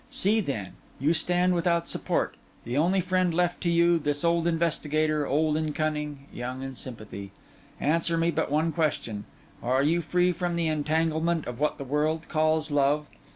See, then: you stand without support; the only friend left to you, this old investigator, old in cunning, young in sympathy. Answer me but one question: Are you free from the entanglement of what the world calls love?